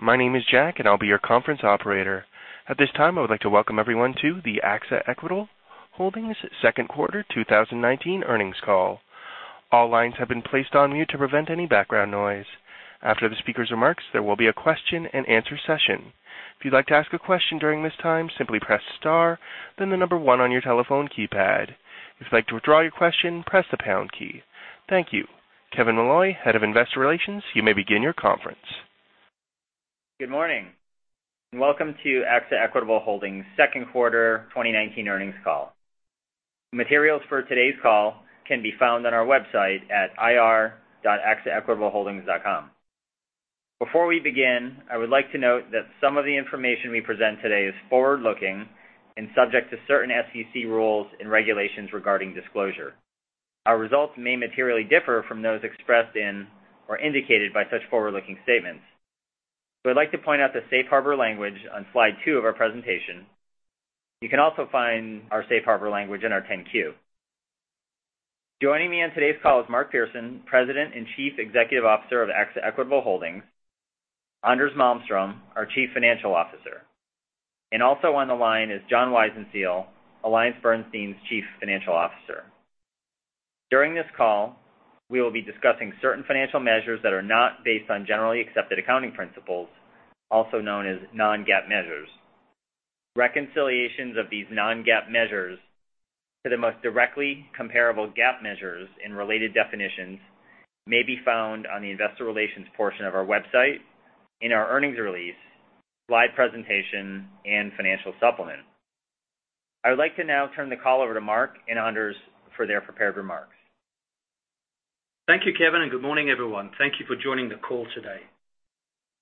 My name is Jack and I'll be your conference operator. At this time, I would like to welcome everyone to the AXA Equitable Holdings second quarter 2019 earnings call. All lines have been placed on mute to prevent any background noise. After the speaker's remarks, there will be a question and answer session. If you'd like to ask a question during this time, simply press star, then the number one on your telephone keypad. If you'd like to withdraw your question, press the pound key. Thank you. Kevin Molloy, Head of Investor Relations, you may begin your conference. Good morning. Welcome to AXA Equitable Holdings second quarter 2019 earnings call. Materials for today's call can be found on our website at ir.axaequitableholdings.com. Before we begin, I would like to note that some of the information we present today is forward-looking and subject to certain SEC rules and regulations regarding disclosure. Our results may materially differ from those expressed in or indicated by such forward-looking statements. We'd like to point out the safe harbor language on slide two of our presentation. You can also find our safe harbor language in our 10-Q. Joining me on today's call is Mark Pearson, President and Chief Executive Officer of AXA Equitable Holdings, Anders Malmstrom, our Chief Financial Officer, and also on the line is John Weisenseel, AllianceBernstein's Chief Financial Officer. During this call, we will be discussing certain financial measures that are not based on Generally Accepted Accounting Principles, also known as non-GAAP measures. Reconciliations of these non-GAAP measures to the most directly comparable GAAP measures and related definitions may be found on the investor relations portion of our website, in our earnings release, live presentation, and financial supplement. I would like to now turn the call over to Mark and Anders for their prepared remarks. Thank you, Kevin. Good morning, everyone. Thank you for joining the call today.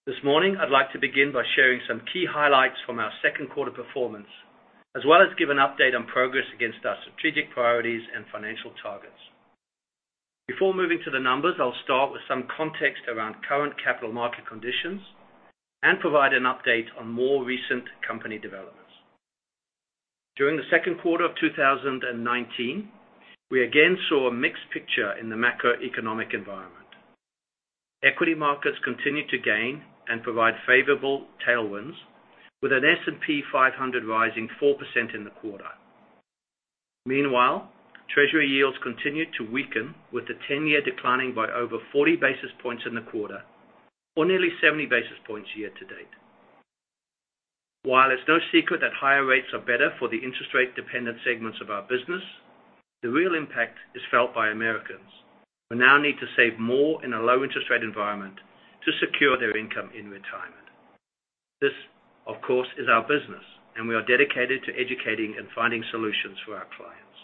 This morning, I'd like to begin by sharing some key highlights from our second quarter performance, as well as give an update on progress against our strategic priorities and financial targets. Before moving to the numbers, I'll start with some context around current capital market conditions and provide an update on more recent company developments. During the second quarter of 2019, we again saw a mixed picture in the macroeconomic environment. Equity markets continued to gain and provide favorable tailwinds with an S&P 500 rising 4% in the quarter. Meanwhile, treasury yields continued to weaken with the 10-year declining by over 40 basis points in the quarter, or nearly 70 basis points year-to-date. While it's no secret that higher rates are better for the interest rate-dependent segments of our business, the real impact is felt by Americans, who now need to save more in a low interest rate environment to secure their income in retirement. This, of course, is our business, and we are dedicated to educating and finding solutions for our clients.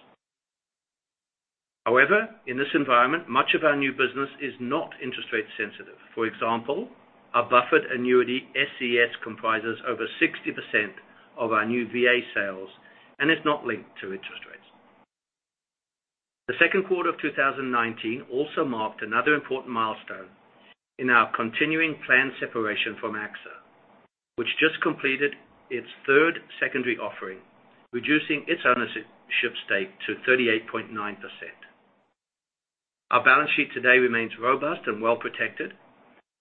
However, in this environment, much of our new business is not interest rate sensitive. For example, our buffered annuity SCS comprises over 60% of our new VA sales and is not linked to interest rates. The second quarter of 2019 also marked another important milestone in our continuing planned separation from AXA, which just completed its third secondary offering, reducing its ownership stake to 38.9%. Our balance sheet today remains robust and well-protected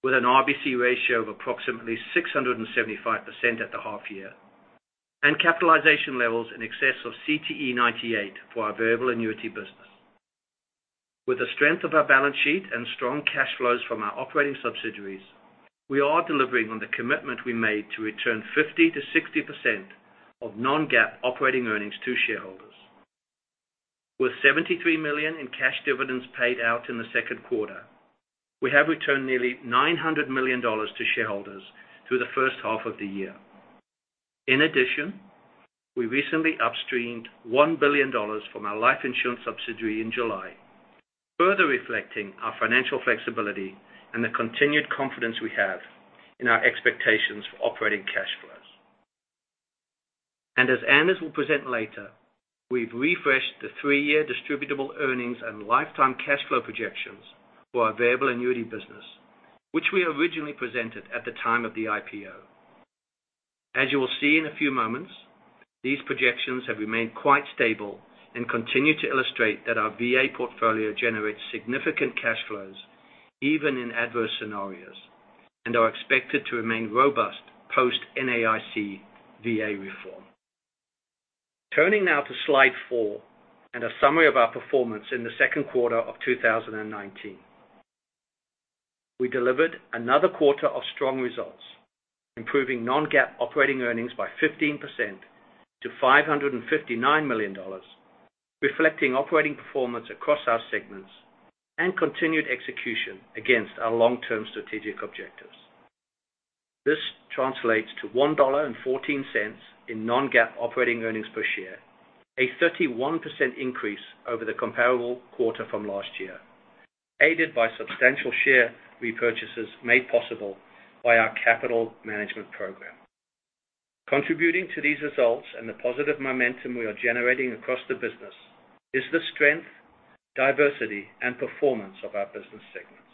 with an RBC ratio of approximately 675% at the half year, and capitalization levels in excess of CTE 98 for our variable annuity business. With the strength of our balance sheet and strong cash flows from our operating subsidiaries, we are delivering on the commitment we made to return 50%-60% of non-GAAP operating earnings to shareholders. With $73 million in cash dividends paid out in the second quarter, we have returned nearly $900 million to shareholders through the first half of the year. In addition, we recently upstreamed $1 billion from our life insurance subsidiary in July, further reflecting our financial flexibility and the continued confidence we have in our expectations for operating cash flows. As Anders will present later, we've refreshed the three-year distributable earnings and lifetime cash flow projections for our variable annuity business, which we originally presented at the time of the IPO. As you will see in a few moments, these projections have remained quite stable and continue to illustrate that our VA portfolio generates significant cash flows even in adverse scenarios and are expected to remain robust post NAIC VA reform. Turning now to slide four and a summary of our performance in the second quarter of 2019. We delivered another quarter of strong results, improving non-GAAP operating earnings by 15% to $559 million, reflecting operating performance across our segments and continued execution against our long-term strategic objectives. This translates to $1.14 in non-GAAP operating earnings per share, a 31% increase over the comparable quarter from last year, aided by substantial share repurchases made possible by our capital management program. Contributing to these results and the positive momentum we are generating across the business is the strength, diversity, and performance of our business segments.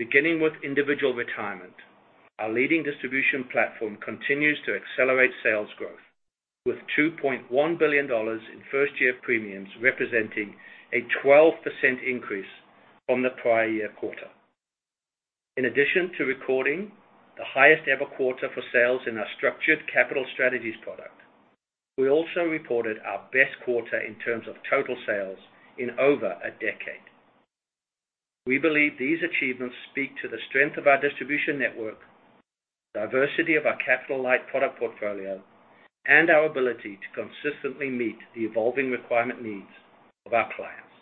Beginning with individual retirement, our leading distribution platform continues to accelerate sales growth with $2.1 billion in first-year premiums, representing a 12% increase from the prior year quarter. In addition to recording the highest ever quarter for sales in our Structured Capital Strategies product, we also reported our best quarter in terms of total sales in over a decade. We believe these achievements speak to the strength of our distribution network, diversity of our capital light product portfolio, and our ability to consistently meet the evolving requirement needs of our clients.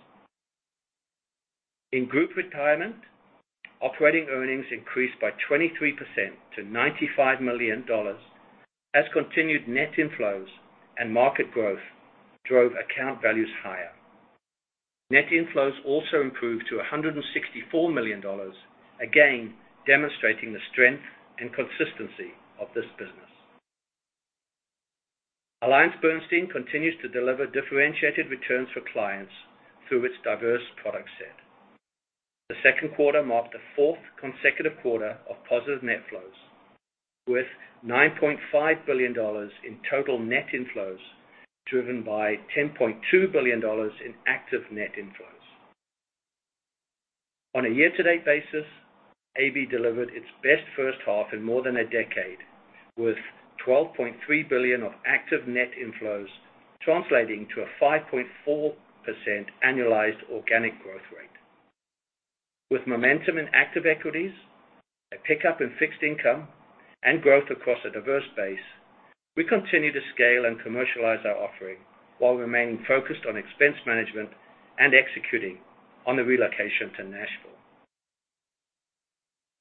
In group retirement, operating earnings increased by 23% to $95 million as continued net inflows and market growth drove account values higher. Net inflows also improved to $164 million, again, demonstrating the strength and consistency of this business. AllianceBernstein continues to deliver differentiated returns for clients through its diverse product set. The second quarter marked the fourth consecutive quarter of positive net flows, with $9.5 billion in total net inflows, driven by $10.2 billion in active net inflows. On a year-to-date basis, AB delivered its best first half in more than a decade, with $12.3 billion of active net inflows translating to a 5.4% annualized organic growth rate. With momentum in active equities, a pickup in fixed income, and growth across a diverse base, we continue to scale and commercialize our offering while remaining focused on expense management and executing on the relocation to Nashville.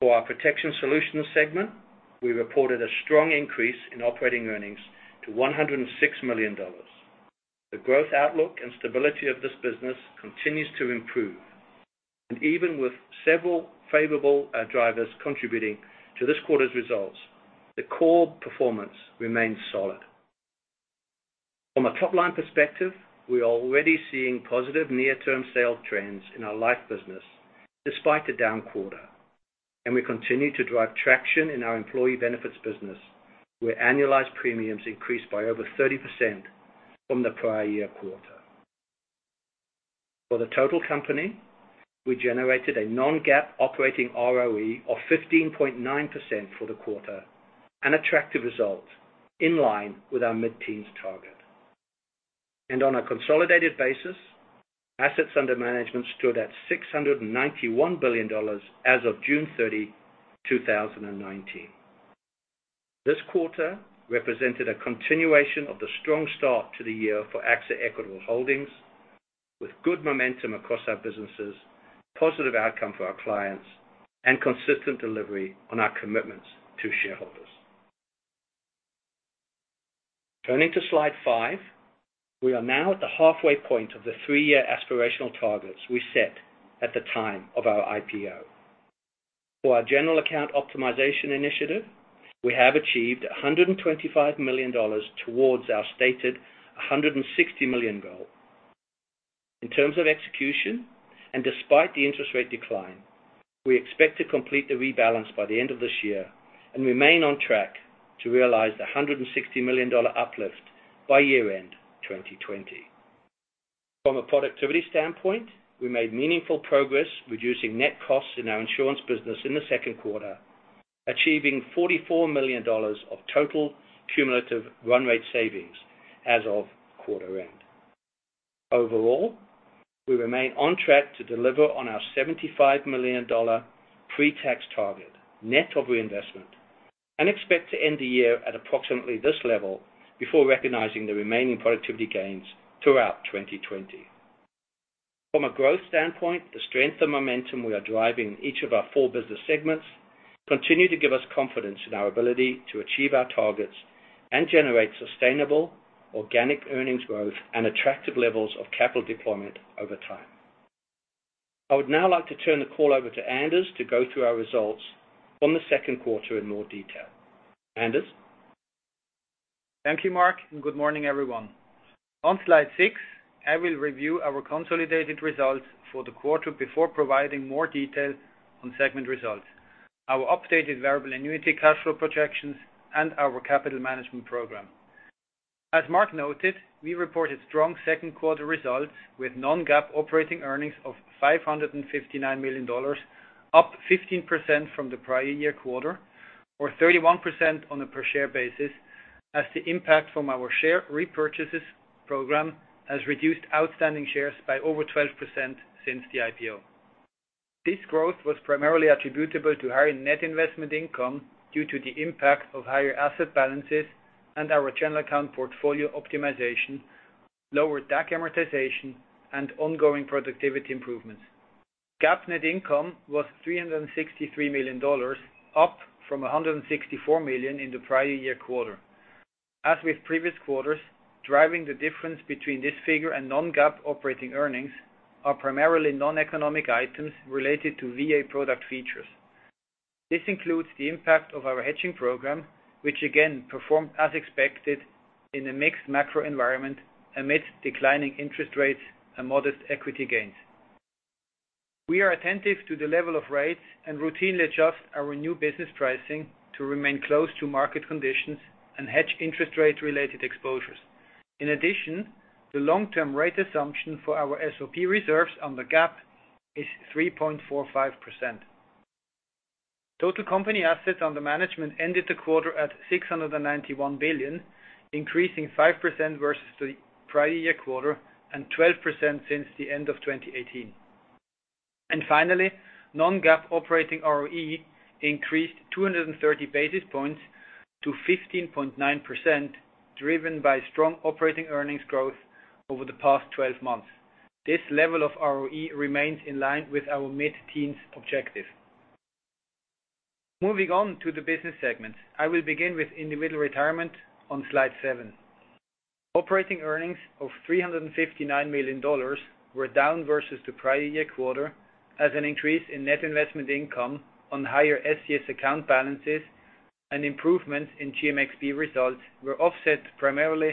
For our protection solutions segment, we reported a strong increase in operating earnings to $106 million. The growth outlook and stability of this business continues to improve. Even with several favorable drivers contributing to this quarter's results, the core performance remains solid. From a top-line perspective, we are already seeing positive near-term sales trends in our life business despite a down quarter, and we continue to drive traction in our employee benefits business, where annualized premiums increased by over 30% from the prior year quarter. For the total company, we generated a non-GAAP operating ROE of 15.9% for the quarter, an attractive result in line with our mid-teens target. On a consolidated basis, assets under management stood at $691 billion as of June 30, 2019. This quarter represented a continuation of the strong start to the year for AXA Equitable Holdings, with good momentum across our businesses, positive outcome for our clients, and consistent delivery on our commitments to shareholders. Turning to Slide 5. We are now at the halfway point of the three-year aspirational targets we set at the time of our IPO. For our general account optimization initiative, we have achieved $125 million towards our stated $160 million goal. In terms of execution, and despite the interest rate decline, we expect to complete the rebalance by the end of this year and remain on track to realize the $160 million uplift by year-end 2020. From a productivity standpoint, we made meaningful progress reducing net costs in our insurance business in the second quarter, achieving $44 million of total cumulative run rate savings as of quarter end. Overall, we remain on track to deliver on our $75 million pre-tax target, net of reinvestment, and expect to end the year at approximately this level before recognizing the remaining productivity gains throughout 2020. From a growth standpoint, the strength and momentum we are driving in each of our four business segments continue to give us confidence in our ability to achieve our targets and generate sustainable organic earnings growth and attractive levels of capital deployment over time. I would now like to turn the call over to Anders to go through our results from the second quarter in more detail. Anders? Thank you, Mark, and good morning, everyone. On Slide 6, I will review our consolidated results for the quarter before providing more detail on segment results, our updated variable annuity cash flow projections, and our capital management program. As Mark noted, we reported strong second quarter results with non-GAAP operating earnings of $559 million, up 15% from the prior year quarter, or 31% on a per share basis as the impact from our share repurchases program has reduced outstanding shares by over 12% since the IPO. This growth was primarily attributable to higher net investment income due to the impact of higher asset balances and our general account portfolio optimization, lower DAC amortization, and ongoing productivity improvements. GAAP net income was $363 million, up from $164 million in the prior year quarter. As with previous quarters, driving the difference between this figure and non-GAAP operating earnings are primarily non-economic items related to VA product features. This includes the impact of our hedging program, which again performed as expected in a mixed macro environment amidst declining interest rates and modest equity gains. We are attentive to the level of rates and routinely adjust our new business pricing to remain close to market conditions and hedge interest rate-related exposures. In addition, the long-term rate assumption for our SOP reserves on the GAAP is 3.45%. Total company assets under management ended the quarter at $691 billion, increasing 5% versus the prior year quarter and 12% since the end of 2018. Finally, non-GAAP operating ROE increased 230 basis points to 15.9%, driven by strong operating earnings growth over the past 12 months. This level of ROE remains in line with our mid-teens objective. Moving on to the business segment. I will begin with individual retirement on slide seven. Operating earnings of $359 million were down versus the prior year quarter as an increase in net investment income on higher SCS account balances and improvements in GMXB results were offset primarily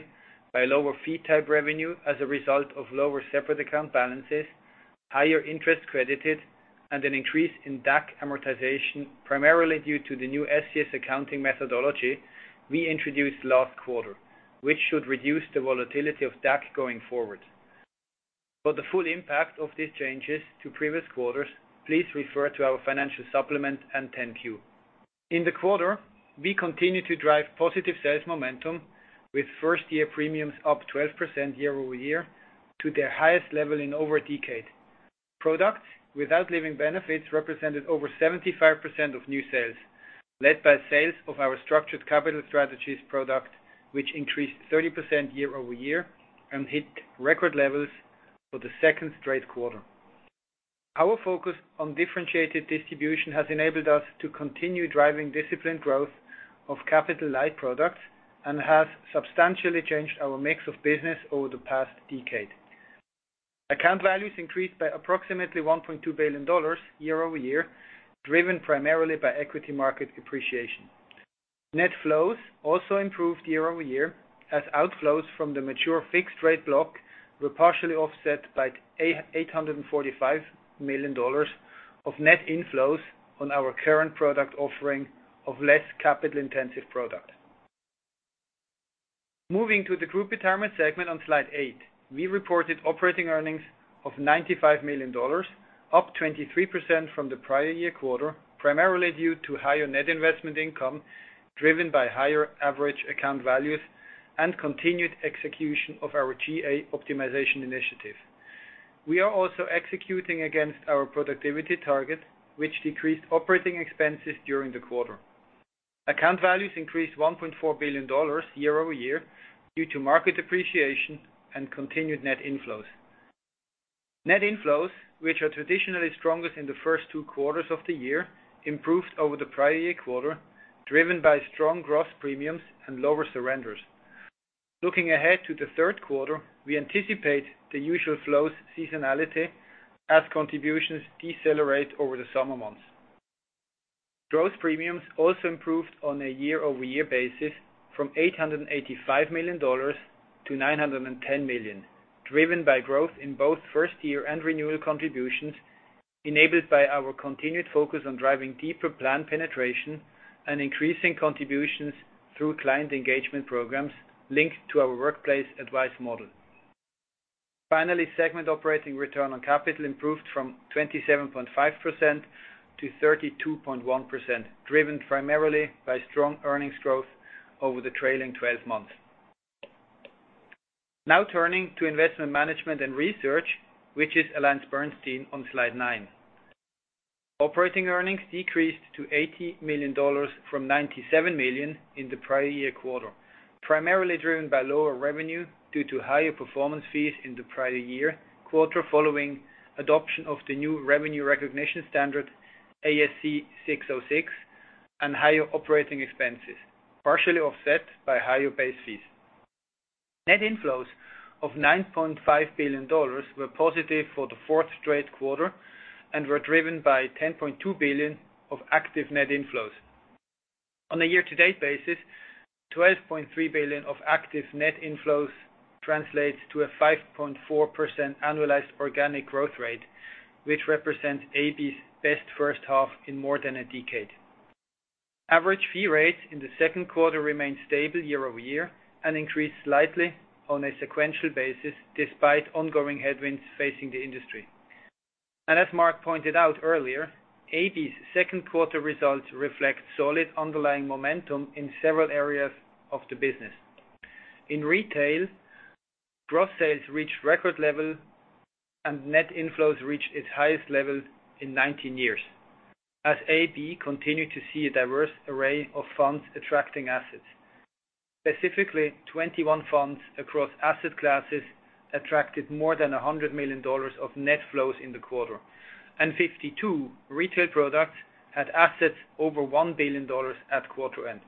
by lower fee type revenue as a result of lower separate account balances, higher interest credited, and an increase in DAC amortization, primarily due to the new SCS accounting methodology we introduced last quarter, which should reduce the volatility of DAC going forward. For the full impact of these changes to previous quarters, please refer to our financial supplement and 10-Q. In the quarter, we continued to drive positive sales momentum with first-year premiums up 12% year-over-year to their highest level in over a decade. Products without living benefits represented over 75% of new sales, led by sales of our Structured Capital Strategies product, which increased 30% year-over-year and hit record levels for the second straight quarter. Our focus on differentiated distribution has enabled us to continue driving disciplined growth of capital-light products and has substantially changed our mix of business over the past decade. Account values increased by approximately $1.2 billion year-over-year, driven primarily by equity market appreciation. Net flows also improved year-over-year as outflows from the mature fixed rate block were partially offset by $845 million of net inflows on our current product offering of less capital-intensive product. Moving to the group retirement segment on Slide eight. We reported operating earnings of $95 million, up 23% from the prior year quarter, primarily due to higher net investment income, driven by higher average account values and continued execution of our GA optimization initiative. We are also executing against our productivity target, which decreased operating expenses during the quarter. Account values increased $1.4 billion year-over-year due to market appreciation and continued net inflows. Net inflows, which are traditionally strongest in the first two quarters of the year, improved over the prior year quarter, driven by strong gross premiums and lower surrenders. Looking ahead to the third quarter, we anticipate the usual flows seasonality as contributions decelerate over the summer months. Gross premiums also improved on a year-over-year basis from $885 million-$910 million, driven by growth in both first year and renewal contributions, enabled by our continued focus on driving deeper plan penetration and increasing contributions through client engagement programs linked to our workplace advice model. Finally, segment operating return on capital improved from 27.5%-32.1%, driven primarily by strong earnings growth over the trailing 12 months. Now turning to investment management and research, which is AllianceBernstein on Slide 9. Operating earnings decreased to $80 million from $97 million in the prior year quarter, primarily driven by lower revenue due to higher performance fees in the prior year quarter following adoption of the new revenue recognition standard, ASC 606, and higher operating expenses, partially offset by higher base fees. Net inflows of $9.5 billion were positive for the fourth straight quarter and were driven by $10.2 billion of active net inflows. On a year-to-date basis, $12.3 billion of active net inflows translates to a 5.4% annualized organic growth rate, which represents AB's best first half in more than a decade. Average fee rates in the second quarter remained stable year-over-year and increased slightly on a sequential basis, despite ongoing headwinds facing the industry. As Mark pointed out earlier, AB's second quarter results reflect solid underlying momentum in several areas of the business. In retail, gross sales reached record level and net inflows reached its highest level in 19 years, as AB continued to see a diverse array of funds attracting assets. Specifically, 21 funds across asset classes attracted more than $100 million of net flows in the quarter, and 52 retail products had assets over $1 billion at quarter end.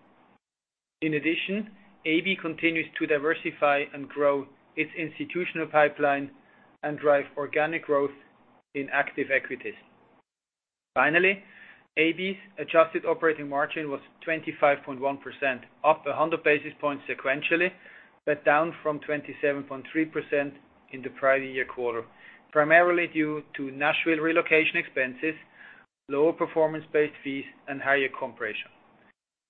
In addition, AB continues to diversify and grow its institutional pipeline and drive organic growth in active equities. Finally, AB's adjusted operating margin was 25.1%, up 100 basis points sequentially, but down from 27.3% in the prior year quarter, primarily due to Nashville relocation expenses, lower performance-based fees, and higher compression.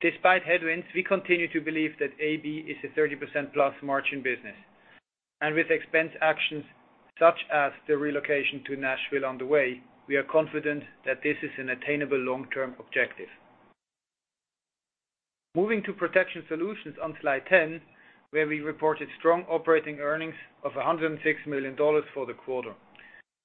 Despite headwinds, we continue to believe that AB is a 30% plus margin business. And with expense actions such as the relocation to Nashville on the way, we are confident that this is an attainable long-term objective. Moving to protection solutions on Slide 10, where we reported strong operating earnings of $106 million for the quarter.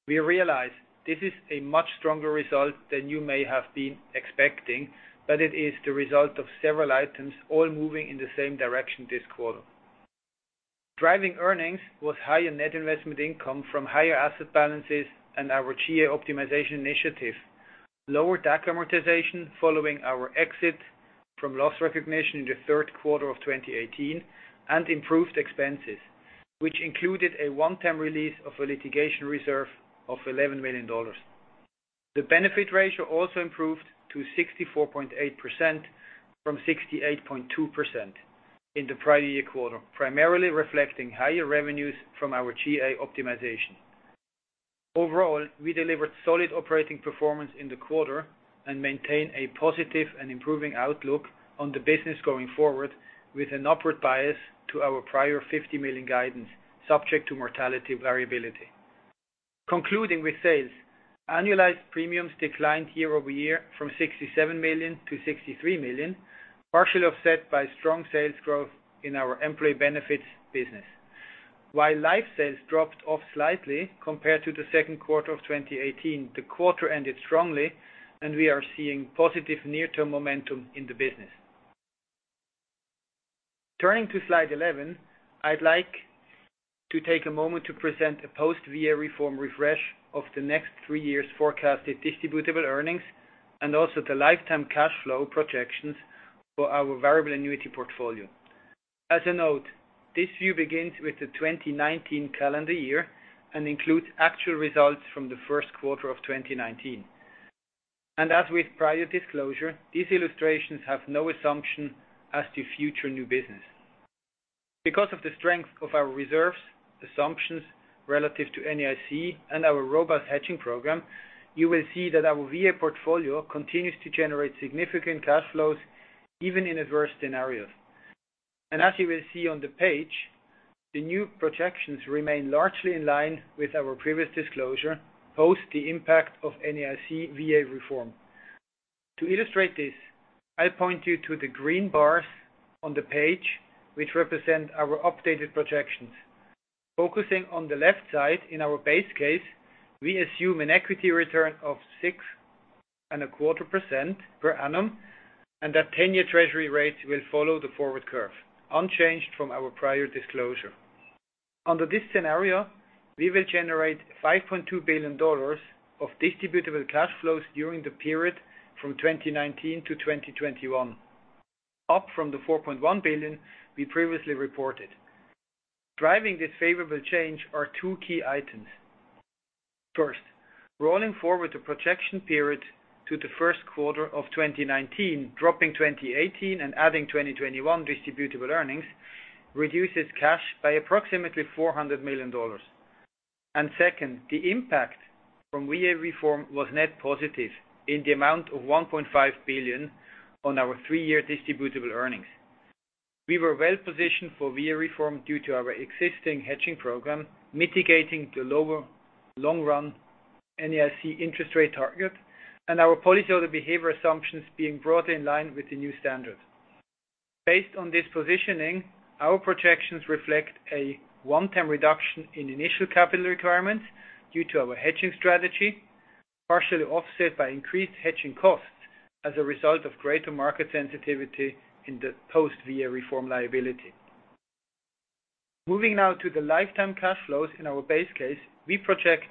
We realize this is a much stronger result than you may have been expecting, but it is the result of several items all moving in the same direction this quarter. Driving earnings was higher net investment income from higher asset balances and our GA Optimization Initiative, lower DAC amortization following our exit from loss recognition in the third quarter of 2018, and improved expenses, which included a one-time release of a litigation reserve of $11 million. The benefit ratio also improved to 64.8% from 68.2% in the prior year quarter, primarily reflecting higher revenues from our GA optimization. Overall, we delivered solid operating performance in the quarter and maintain a positive and improving outlook on the business going forward, with an upward bias to our prior $50 million guidance, subject to mortality variability. Concluding with sales, annualized premiums declined year-over-year from $67 million to $63 million, partially offset by strong sales growth in our employee benefits business. While life sales dropped off slightly compared to the second quarter of 2018, the quarter ended strongly, and we are seeing positive near-term momentum in the business. Turning to slide 11, I'd like to take a moment to present a post-VA reform refresh of the next three years' forecasted distributable earnings, and also the lifetime cash flow projections for our variable annuity portfolio. As a note, this view begins with the 2019 calendar year and includes actual results from the first quarter of 2019. As with prior disclosure, these illustrations have no assumption as to future new business. Because of the strength of our reserves, assumptions relative to NAIC, and our robust hedging program, you will see that our VA portfolio continues to generate significant cash flows even in adverse scenarios. As you will see on the page, the new projections remain largely in line with our previous disclosure, post the impact of NAIC VA reform. To illustrate this, I point you to the green bars on the page, which represent our updated projections. Focusing on the left side in our base case, we assume an equity return of 6.25% per annum, and that 10-year Treasury rates will follow the forward curve, unchanged from our prior disclosure. Under this scenario, we will generate $5.2 billion of distributable cash flows during the period from 2019 to 2021, up from the $4.1 billion we previously reported. Driving this favorable change are two key items. First, rolling forward the projection period to the first quarter of 2019, dropping 2018 and adding 2021 distributable earnings, reduces cash by approximately $400 million. Second, the impact from VA reform was net positive in the amount of $1.5 billion on our three-year distributable earnings. We were well-positioned for VA reform due to our existing hedging program, mitigating the lower long-run NAIC interest rate target, and our policyholder behavior assumptions being broadly in line with the new standard. Based on this positioning, our projections reflect a one-time reduction in initial capital requirements due to our hedging strategy, partially offset by increased hedging costs as a result of greater market sensitivity in the post-VA reform liability. Moving now to the lifetime cash flows in our base case, we project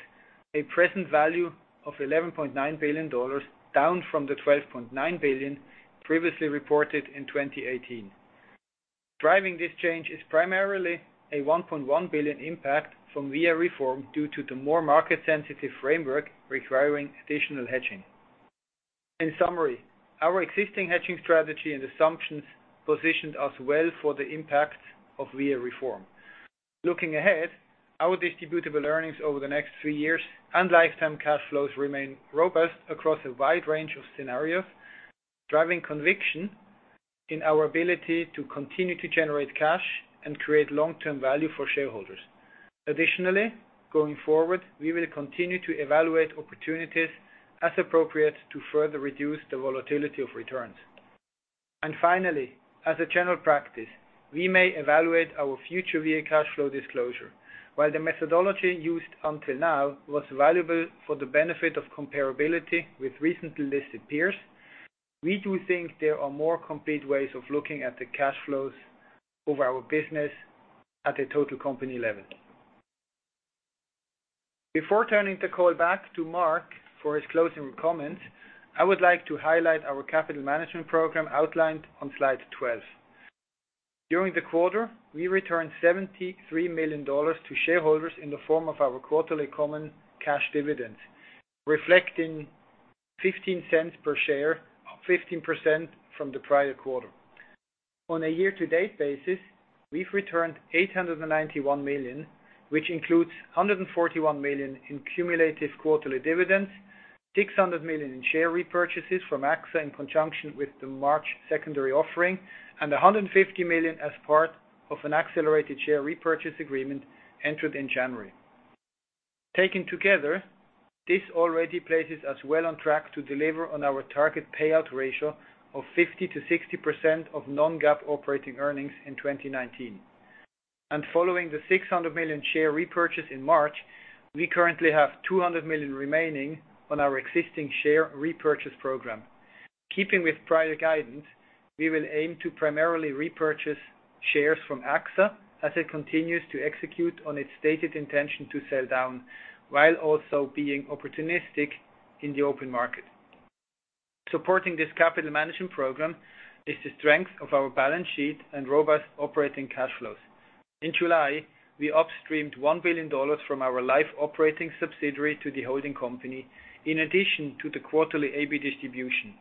a present value of $11.9 billion, down from the $12.9 billion previously reported in 2018. Driving this change is primarily a $1.1 billion impact from VA reform due to the more market-sensitive framework requiring additional hedging. In summary, our existing hedging strategy and assumptions positioned us well for the impact of VA reform. Looking ahead, our distributable earnings over the next three years and lifetime cash flows remain robust across a wide range of scenarios, driving conviction in our ability to continue to generate cash and create long-term value for shareholders. Additionally, going forward, we will continue to evaluate opportunities as appropriate to further reduce the volatility of returns. Finally, as a general practice, we may evaluate our future VA cash flow disclosure. While the methodology used until now was valuable for the benefit of comparability with recently listed peers, we do think there are more complete ways of looking at the cash flows over our business at a total company level. Before turning the call back to Mark for his closing comments, I would like to highlight our capital management program outlined on slide 12. During the quarter, we returned $73 million to shareholders in the form of our quarterly common cash dividends, reflecting $0.15 per share, 15% from the prior quarter. On a year-to-date basis, we've returned $891 million, which includes $141 million in cumulative quarterly dividends, $600 million in share repurchases from AXA in conjunction with the March secondary offering, and $150 million as part of an accelerated share repurchase agreement entered in January. Taken together, this already places us well on track to deliver on our target payout ratio of 50%-60% of non-GAAP operating earnings in 2019. Following the $600 million share repurchase in March, we currently have $200 million remaining on our existing share repurchase program. Keeping with prior guidance, we will aim to primarily repurchase shares from AXA as it continues to execute on its stated intention to sell down, while also being opportunistic in the open market. Supporting this capital management program is the strength of our balance sheet and robust operating cash flows. In July, we upstreamed $1 billion from our life operating subsidiary to the holding company, in addition to the quarterly AB distribution,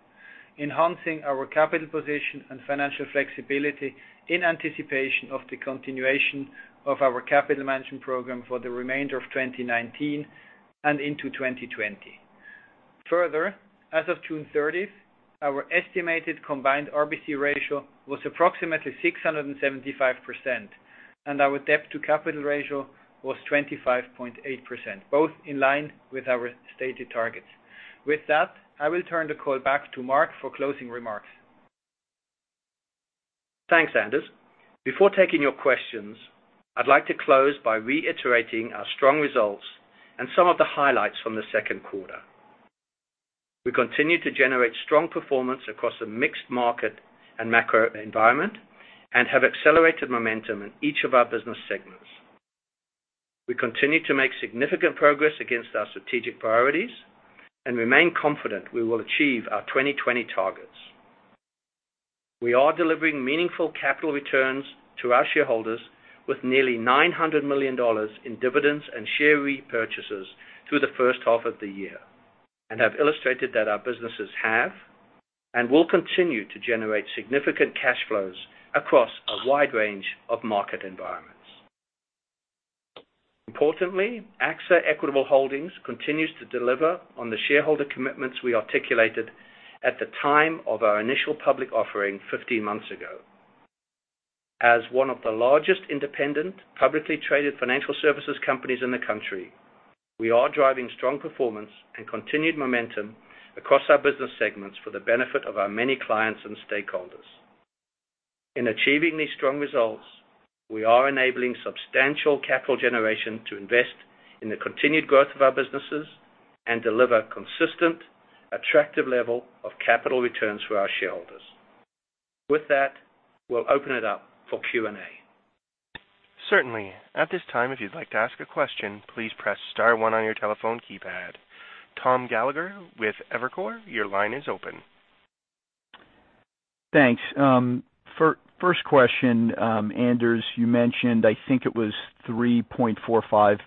enhancing our capital position and financial flexibility in anticipation of the continuation of our capital management program for the remainder of 2019 and into 2020. Further, as of June 30th, our estimated combined RBC ratio was approximately 675%, and our debt to capital ratio was 25.8%, both in line with our stated targets. With that, I will turn the call back to Mark for closing remarks. Thanks, Anders. Before taking your questions, I'd like to close by reiterating our strong results and some of the highlights from the second quarter. We continue to generate strong performance across a mixed market and macro environment and have accelerated momentum in each of our business segments. We continue to make significant progress against our strategic priorities and remain confident we will achieve our 2020 targets. We are delivering meaningful capital returns to our shareholders with nearly $900 million in dividends and share repurchases through the first half of the year, have illustrated that our businesses have and will continue to generate significant cash flows across a wide range of market environments. Importantly, AXA Equitable Holdings continues to deliver on the shareholder commitments we articulated at the time of our initial public offering 15 months ago. As one of the largest independent, publicly traded financial services companies in the country, we are driving strong performance and continued momentum across our business segments for the benefit of our many clients and stakeholders. In achieving these strong results, we are enabling substantial capital generation to invest in the continued growth of our businesses and deliver consistent, attractive level of capital returns for our shareholders. With that, we'll open it up for Q&A. Certainly. At this time, if you'd like to ask a question, please press star one on your telephone keypad. Thomas Gallagher with Evercore, your line is open. Thanks. First question, Anders, you mentioned, I think it was 3.45%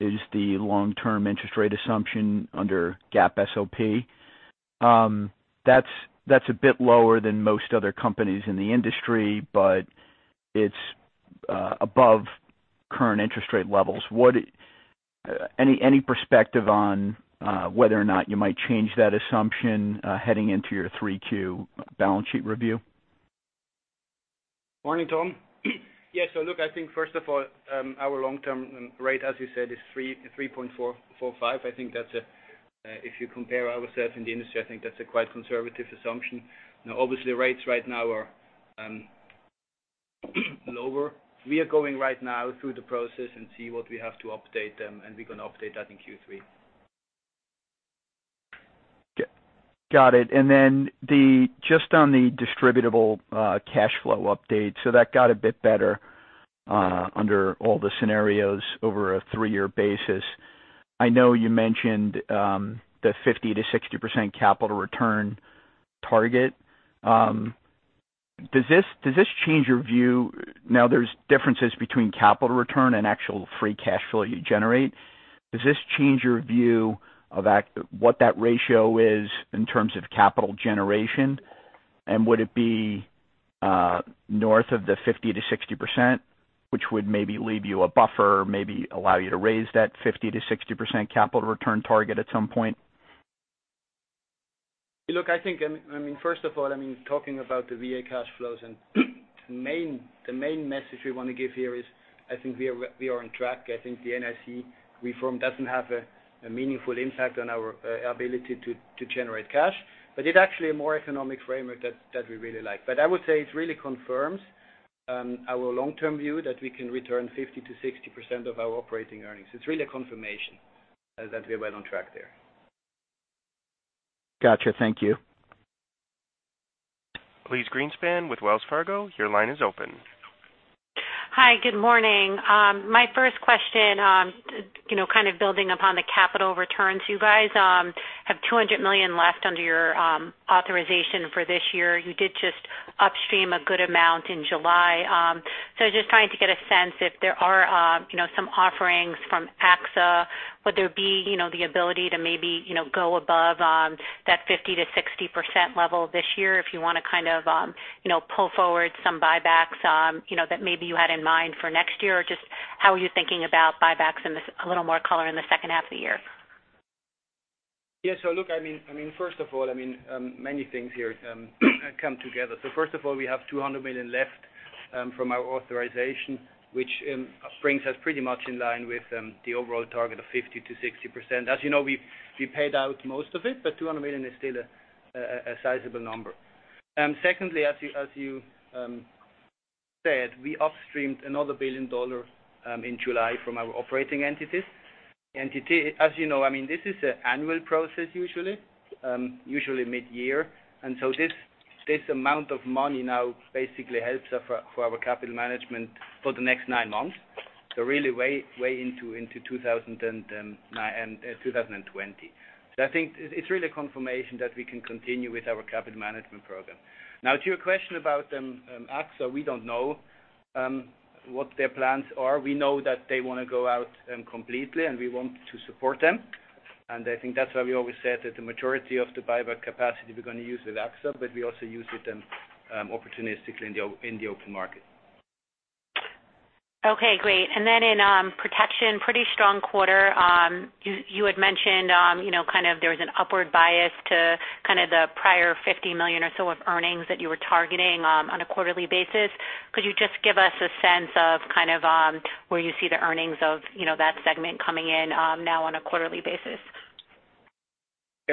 is the long-term interest rate assumption under GAAP SOP. That's a bit lower than most other companies in the industry, but it's above current interest rate levels. Any perspective on whether or not you might change that assumption heading into your 3Q balance sheet review? Morning, Tom. Yes, look, I think first of all, our long-term rate, as you said, is 3.45. If you compare ourselves in the industry, I think that's a quite conservative assumption. Now, obviously, rates right now are lower. We are going right now through the process and see what we have to update them, and we're going to update that in Q3. Got it. Just on the distributable cash flow update, that got a bit better under all the scenarios over a three-year basis. I know you mentioned the 50%-60% capital return target. Now there's differences between capital return and actual free cash flow you generate. Does this change your view of what that ratio is in terms of capital generation? Would it be north of the 50%-60%, which would maybe leave you a buffer, maybe allow you to raise that 50%-60% capital return target at some point? Look, I think, first of all, talking about the VA cash flows and the main message we want to give here is I think we are on track. I think the NAIC reform doesn't have a meaningful impact on our ability to generate cash. It's actually a more economic framework that we really like. I would say it really confirms our long-term view that we can return 50%-60% of our operating earnings. It's really a confirmation that we're well on track there. Got you. Thank you. Elyse Greenspan with Wells Fargo, your line is open. Hi, good morning. My first question, kind of building upon the capital returns. You guys have $200 million left under your authorization for this year. You did just upstream a good amount in July. Just trying to get a sense if there are some offerings from AXA, would there be the ability to maybe go above that 50%-60% level this year if you want to pull forward some buybacks that maybe you had in mind for next year? Just how are you thinking about buybacks and a little more color in the second half of the year? Yeah. Look, first of all, many things here come together. First of all, we have $200 million left from our authorization, which brings us pretty much in line with the overall target of 50%-60%. As you know, we paid out most of it, but $200 million is still a sizable number. Secondly, as you said, we upstreamed another $1 billion in July from our operating entity. As you know, this is an annual process usually mid-year. This amount of money now basically helps for our capital management for the next nine months, really way into 2020. I think it's really confirmation that we can continue with our capital management program. Now, to your question about AXA. We don't know what their plans are. We know that they want to go out completely, and we want to support them. I think that's why we always said that the majority of the buyback capacity we're going to use with AXA, but we also use with them opportunistically in the open market. Okay, great. In protection, pretty strong quarter. You had mentioned there was an upward bias to the prior $50 million or so of earnings that you were targeting on a quarterly basis. Could you just give us a sense of where you see the earnings of that segment coming in now on a quarterly basis?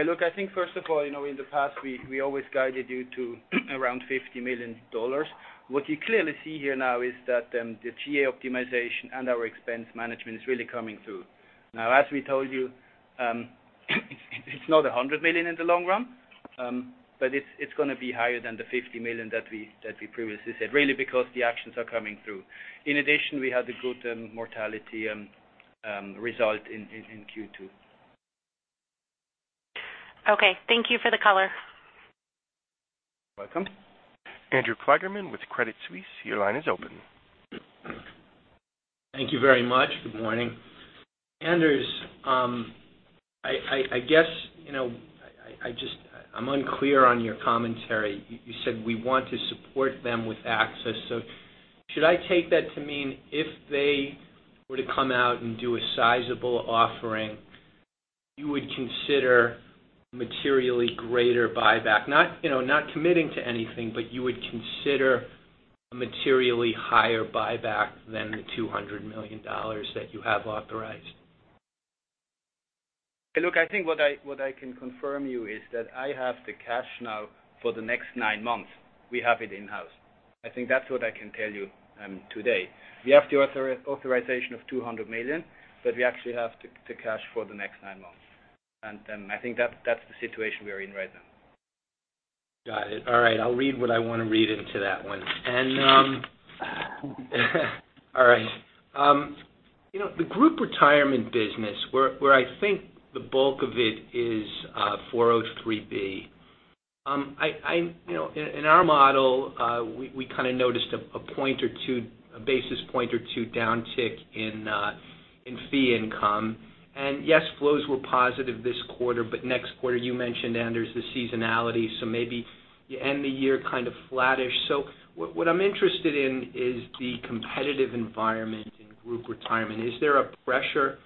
Look, I think first of all, in the past, we always guided you to around $50 million. What you clearly see here now is that the GA optimization and our expense management is really coming through. As we told you, it's not $100 million in the long run, but it's going to be higher than the $50 million that we previously said, really because the actions are coming through. In addition, we had a good mortality result in Q2. Thank you for the color. Welcome. Andrew Kligerman with Credit Suisse, your line is open. Thank you very much. Good morning. Anders, I guess I'm unclear on your commentary. You said, "We want to support them with AXA." Should I take that to mean if they were to come out and do a sizable offering, you would consider materially greater buyback? Not committing to anything, but you would consider a materially higher buyback than the $200 million that you have authorized. I think what I can confirm you is that I have the cash now for the next nine months. We have it in-house. I think that's what I can tell you today. We have the authorization of $200 million, but we actually have the cash for the next nine months. I think that's the situation we are in right now. Got it. All right. I'll read what I want to read into that one. All right. The group retirement business, where I think the bulk of it is 403. In our model, we noticed a basis point or two downtick in fee income. Yes, flows were positive this quarter, but next quarter, you mentioned, Anders, the seasonality, so maybe you end the year kind of flattish. What I'm interested in is the competitive environment in group retirement. Is there a pressure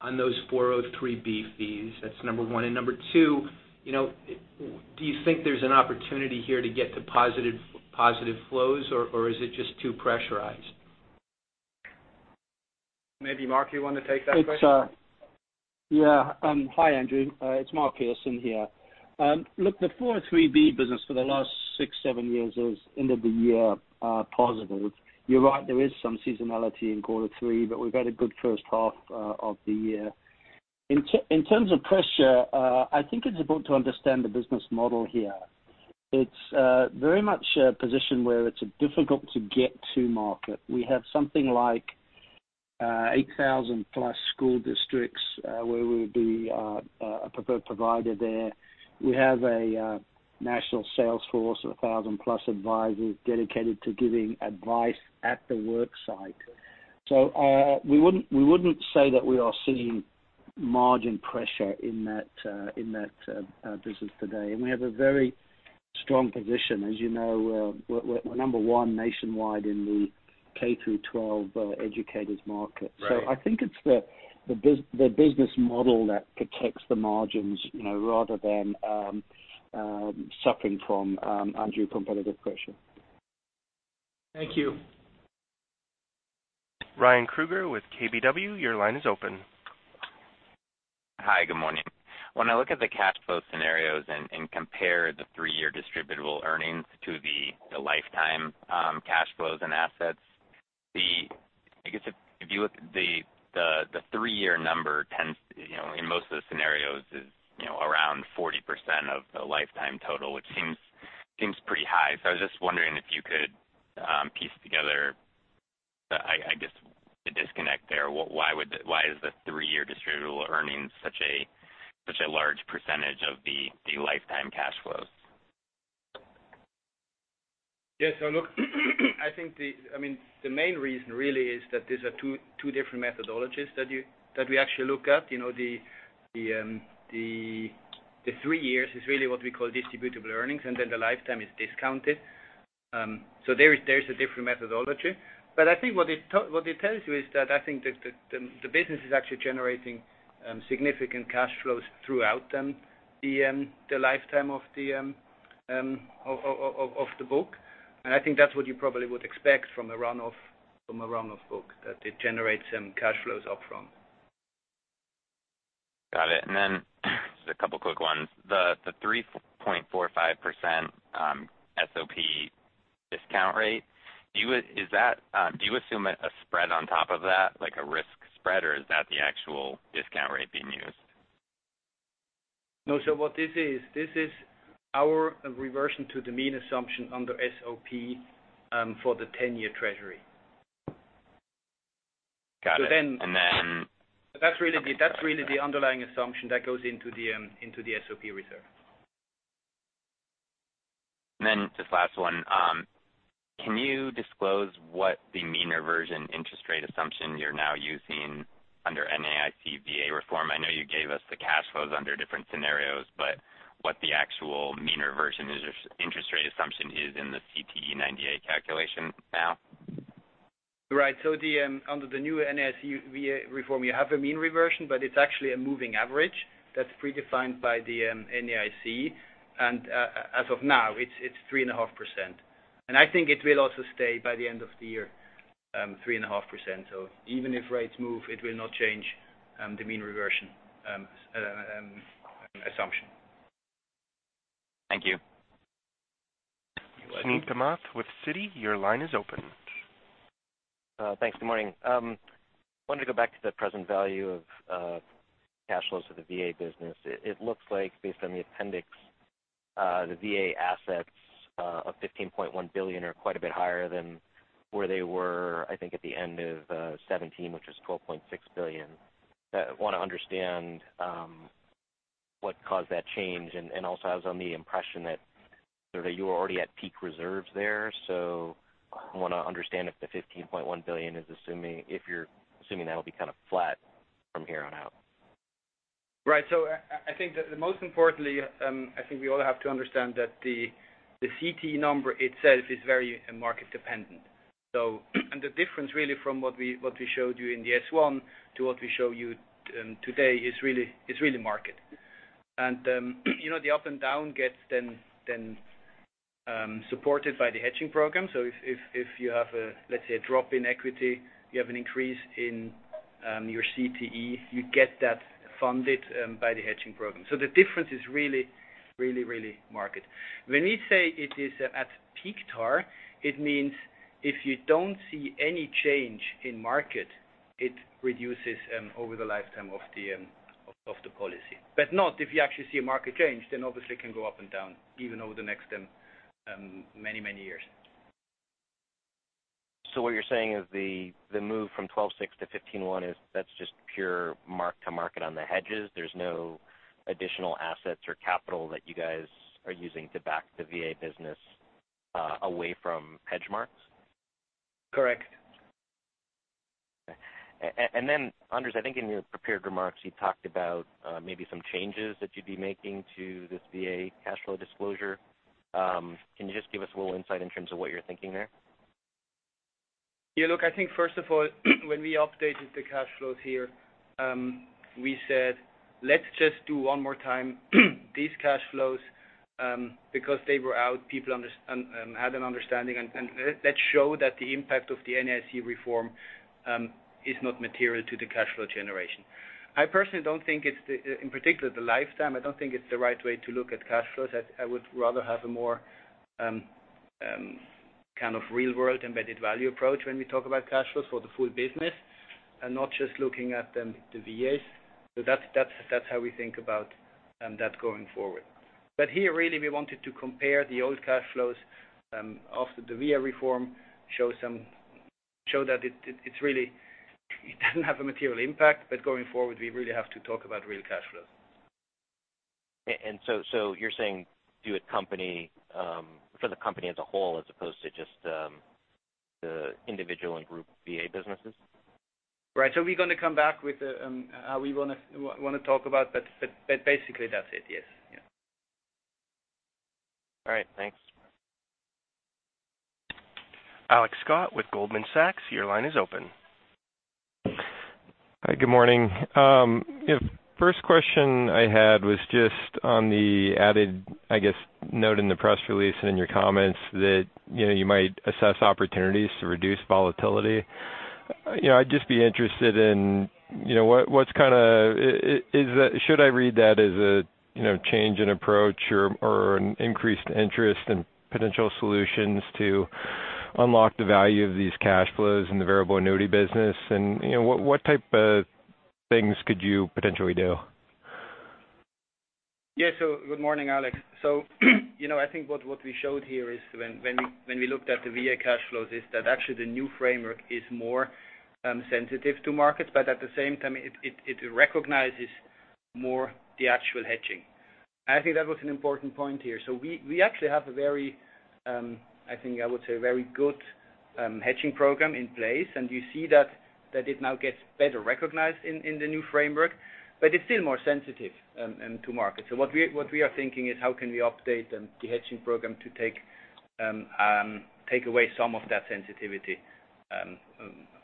on those 403 fees? That's number one. Number two, do you think there's an opportunity here to get to positive flows, or is it just too pressurized? Maybe, Mark, you want to take that question? Yeah. Hi, Andrew. It's Mark Pearson here. Look, the 403 business for the last six, seven years has ended the year positive. You're right, there is some seasonality in quarter three, but we've had a good first half of the year. In terms of pressure, I think it's important to understand the business model here. It's very much a position where it's difficult to get to market. We have something like 8,000-plus school districts where we would be a preferred provider there. We have a national sales force of 1,000-plus advisors dedicated to giving advice at the work site. We wouldn't say that we are seeing margin pressure in that business today. We have a very strong position. As you know, we're number one nationwide in the K through 12 educators market. Right. I think it's the business model that protects the margins, rather than suffering from, Andrew, competitive pressure. Thank you. Ryan Krueger with KBW, your line is open. Hi. Good morning. When I look at the cash flow scenarios and compare the three-year distributable earnings to the lifetime cash flows and assets, the I guess if you look, the 3-year number in most of the scenarios is around 40% of the lifetime total, which seems pretty high. I was just wondering if you could piece together, I guess, the disconnect there. Why is the 3-year distributable earnings such a large percentage of the lifetime cash flows? Yes. Look, the main reason really is that these are two different methodologies that we actually look at. The 3 years is really what we call distributable earnings, and then the lifetime is discounted. There's a different methodology. I think what it tells you is that the business is actually generating significant cash flows throughout the lifetime of the book. I think that's what you probably would expect from a run of book, that it generates some cash flows up front. Got it. Just a couple of quick ones. The 3.45% SOP discount rate, do you assume a spread on top of that, like a risk spread, or is that the actual discount rate being used? No. What this is, this is our reversion to the mean assumption under SOP for the 10-year treasury. Got it. So then- And then- That's really the underlying assumption that goes into the SOP reserve. This last one. Can you disclose what the mean reversion interest rate assumption you're now using under NAIC VA reform? I know you gave us the cash flows under different scenarios, but what the actual mean reversion interest rate assumption is in the CTE98 calculation now. Right. Under the new NAIC VA reform, you have a mean reversion, but it's actually a moving average that's predefined by the NAIC. As of now, it's 3.5%. I think it will also stay, by the end of the year, 3.5%. Even if rates move, it will not change the mean reversion assumption. Thank you. You're welcome. Suneet Kamath with Citi, your line is open. Thanks. Good morning. I wanted to go back to the present value of cash flows for the VA business. It looks like based on the appendix, the VA assets of $15.1 billion are quite a bit higher than where they were, I think, at the end of 2017, which was $12.6 billion. I want to understand what caused that change. Also, I was on the impression that you were already at peak reserves there. I want to understand if the $15.1 billion, if you're assuming that'll be kind of flat from here on out. Right. I think that most importantly, I think we all have to understand that the CTE number itself is very market dependent. The difference really from what we showed you in the S1 to what we show you today is really market. The up and down gets then supported by the hedging program. If you have, let's say, a drop in equity, you have an increase in your CTE, you get that funded by the hedging program. The difference is really market. When we say it is at peak TAR, it means if you don't see any change in market, it reduces over the lifetime of the policy. Not if you actually see a market change, then obviously it can go up and down even over the next many years. What you're saying is the move from $12.6 billion to $15.1 billion is, that's just pure mark-to-market on the hedges. There's no additional assets or capital that you guys are using to back the VA business away from hedge marks? Correct. Okay. Anders, I think in your prepared remarks, you talked about maybe some changes that you'd be making to this VA cash flow disclosure. Can you just give us a little insight in terms of what you're thinking there? Yeah, look, I think first of all, when we updated the cash flows here, we said, let's just do one more time, these cash flows, because they were out, people had an understanding, and that showed that the impact of the NAIC reform is not material to the cash flow generation. I personally don't think it's, in particular, the lifetime. I don't think it's the right way to look at cash flows. I would rather have a more kind of real-world embedded value approach when we talk about cash flows for the full business and not just looking at the VAs. That's how we think about that going forward. Here really we wanted to compare the old cash flows of the VA reform, show that it doesn't have a material impact, but going forward, we really have to talk about real cash flows. You're saying do it for the company as a whole, as opposed to just the individual and group VA businesses? Right. We're going to come back with how we want to talk about, but basically that's it, yes. All right. Thanks. Alex Scott with Goldman Sachs, your line is open. Hi, good morning. First question I had was just on the added, I guess, note in the press release and in your comments that you might assess opportunities to reduce volatility. I'd just be interested in, should I read that as a change in approach or an increased interest in potential solutions to unlock the value of these cash flows in the variable annuity business? What type of things could you potentially do? Yes. Good morning, Alex. I think what we showed here is when we looked at the VA cash flows is that actually the new framework is more sensitive to markets, but at the same time, it recognizes more the actual hedging. I think that was an important point here. We actually have a very, I think I would say, very good hedging program in place, and you see that it now gets better recognized in the new framework, but it's still more sensitive to market. What we are thinking is how can we update the hedging program to take away some of that sensitivity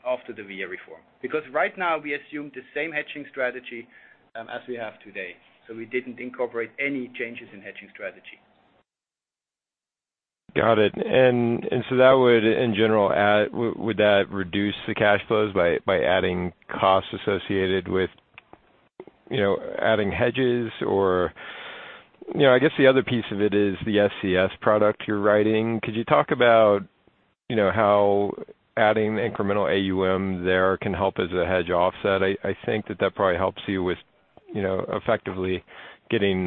after the VA reform? Because right now we assume the same hedging strategy as we have today. We didn't incorporate any changes in hedging strategy. Got it. That would, in general, would that reduce the cash flows by adding costs associated with adding hedges or I guess the other piece of it is the SCS product you're writing? Could you talk about how adding incremental AUM there can help as a hedge offset? I think that probably helps you with effectively getting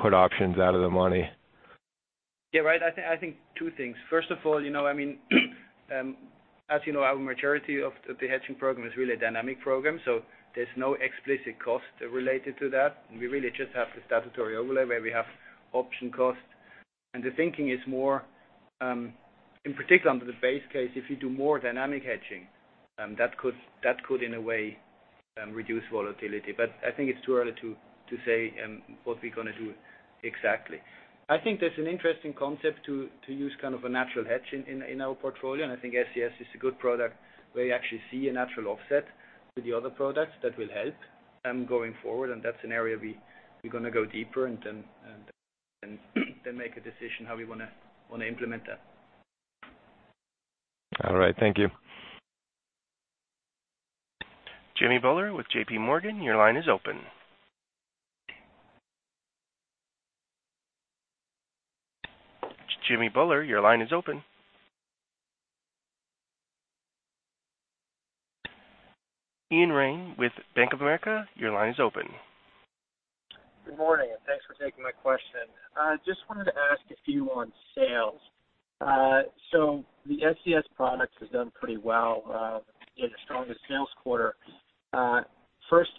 put options out of the money. Yeah, right. I think two things. First of all, our maturity of the hedging program is really a dynamic program, so there's no explicit cost related to that. We really just have the statutory overlay where we have option cost. The thinking is more, in particular, under the base case, if you do more dynamic hedging, that could, in a way, reduce volatility. I think it's too early to say what we're going to do exactly. I think that's an interesting concept to use kind of a natural hedge in our portfolio, and I think SCS is a good product where you actually see a natural offset to the other products that will help going forward. That's an area we're going to go deeper and then make a decision how we want to implement that. All right. Thank you. Jimmy Bhullar with JPMorgan, your line is open. Jimmy Bhullar, your line is open. Ian Gutterman with Bank of America, your line is open. Good morning, and thanks for taking my question. Just wanted to ask a few on sales. The SCS product has done pretty well. You had a stronger sales quarter. First,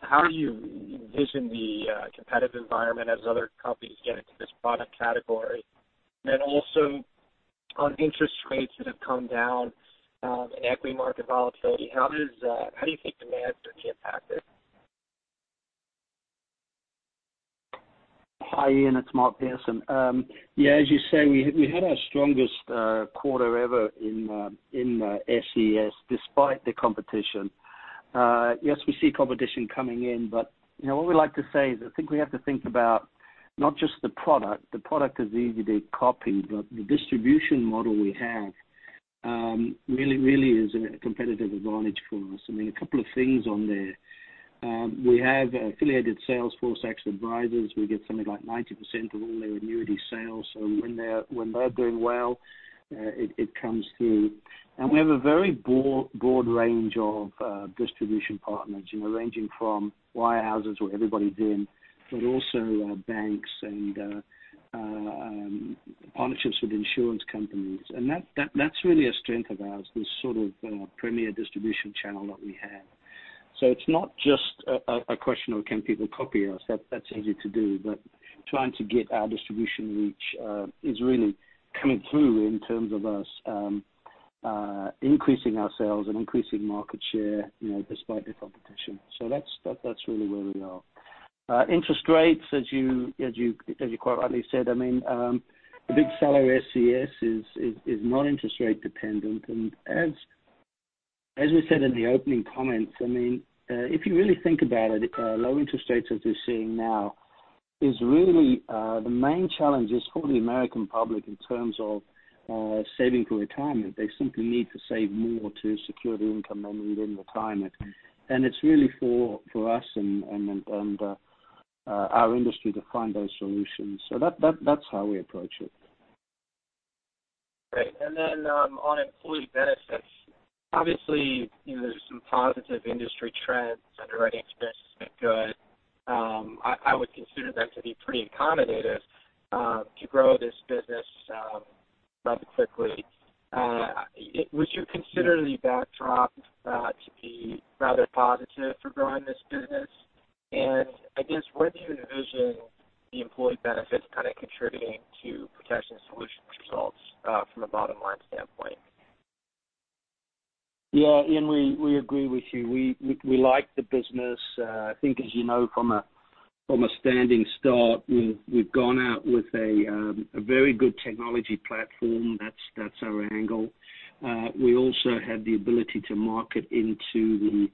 how do you envision the competitive environment as other companies get into this product category? Also on interest rates that have come down and equity market volatility, how do you think demand is going to be impacted? Hi, Ian. It's Mark Pearson. As you say, we had our strongest quarter ever in SCS despite the competition. We see competition coming in. What we like to say is, I think we have to think about not just the product. The product is easy to copy. The distribution model we have really is a competitive advantage for us. A couple of things on there. We have affiliated sales force, Equitable Advisors. We get something like 90% of all their annuity sales. When they're doing well, it comes through. We have a very broad range of distribution partners, ranging from wirehouses where everybody's in, also banks and partnerships with insurance companies. That's really a strength of ours, this sort of premier distribution channel that we have. It's not just a question of can people copy us. That's easy to do. Trying to get our distribution reach is really coming through in terms of us increasing our sales and increasing market share despite the competition. That's really where we are. Interest rates, as you quite rightly said, the big seller SCS is not interest rate dependent. As we said in the opening comments, if you really think about it, low interest rates as we're seeing now, is really the main challenge is for the American public in terms of saving for retirement. They simply need to save more to secure the income they need in retirement. It's really for us and our industry to find those solutions. That's how we approach it. Great. On employee benefits, obviously, there's some positive industry trends, underwriting expenses are good. I would consider them to be pretty accommodative to grow this business rather quickly. Would you consider the backdrop to be rather positive for growing this business? I guess where do you envision the employee benefits kind of contributing to protection solutions results from a bottom-line standpoint? Yeah, Ian, we agree with you. We like the business. I think as you know from a standing start, we've gone out with a very good technology platform. That's our angle. We also have the ability to market into the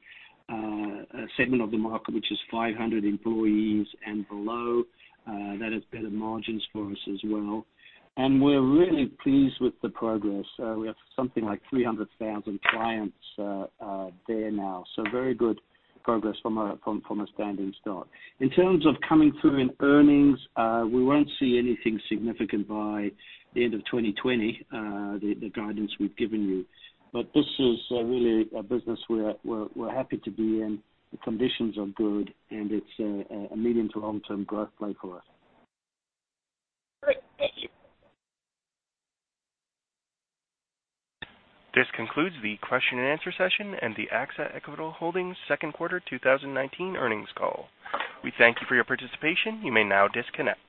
segment of the market, which is 500 employees and below. That has better margins for us as well. We're really pleased with the progress. We have something like 300,000 clients there now. Very good progress from a standing start. In terms of coming through in earnings, we won't see anything significant by the end of 2020, the guidance we've given you. This is really a business we're happy to be in. The conditions are good, and it's a medium to long-term growth play for us. Great. Thank you. This concludes the question and answer session and the AXA Equitable Holdings second quarter 2019 earnings call. We thank you for your participation. You may now disconnect.